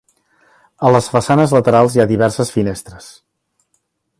A les façanes laterals hi ha diverses finestres.